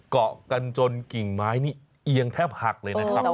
เกาะกันจนกิ่งไม้นี่เอียงแทบหักเลยนะครับ